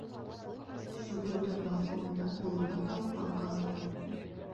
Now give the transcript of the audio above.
Сөгөлдөр баҫыуында ҡулына талпан ҡаҙала.